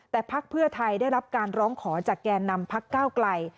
แต่พักเพื่อไทยได้รับการร้องขอจากแก่นำพักก้าวไกล